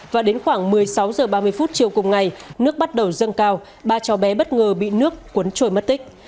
và đến khoảng một mươi sáu h ba mươi chiều cùng ngày nước bắt đầu dâng cao ba cháu bé bất ngờ bị nước cuốn trôi mất tích